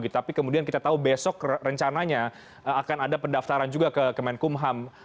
tapi kemudian kita tahu besok rencananya akan ada pendaftaran juga ke kemenkumham